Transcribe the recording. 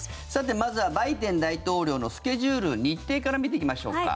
まずはバイデン大統領のスケジュール、日程から見ていきましょうか。